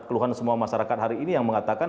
keluhan semua masyarakat hari ini yang mengatakan